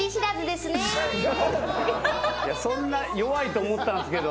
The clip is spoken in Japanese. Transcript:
いやそんな弱いと思ったんすけど。